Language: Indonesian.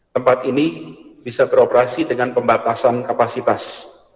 tempat ini bisa beroperasi dengan pembatasan kapasitas